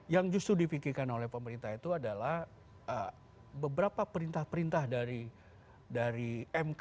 yang justru dipikirkan oleh pemerintah itu adalah beberapa perintah perintah dari mk